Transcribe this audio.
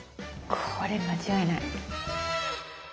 これ間違いない。